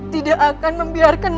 tidak akan membiarkan